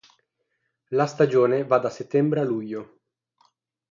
La stagione va da settembre a luglio.